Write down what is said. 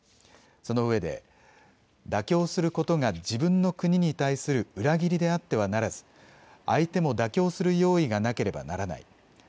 そのうえで妥協することが自分の国に対する裏切りであってはならず相手も妥協する用意がなければならない。